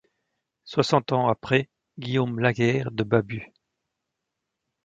Soixante ans après, Guillaume Lacger de Babut.